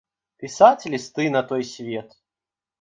Пісаць лісты на той свет!